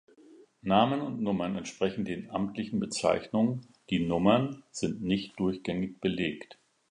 Namen und Nummern entsprechen den amtlichen Bezeichnungen, die Nummern sind nicht durchgängig belegt.